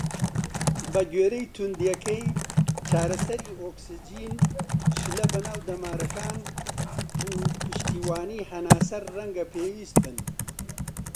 بەگوێرەی تووندیەکەی، چارەسەری ئۆکسجین، شلە بە ناو دەمارەکان، و پشتیوانی هەناسە ڕەنگە پێویست بن.